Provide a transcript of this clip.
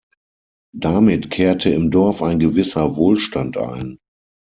Damit kehrte im Dorf ein gewisser Wohlstand ein.